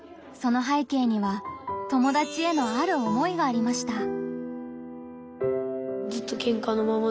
その背景には友達へのある思いがありました。